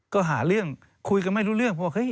ก็หาเรื่องคุยกันไม่รู้เรื่อง